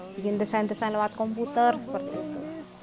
bikin desain desain lewat komputer seperti itu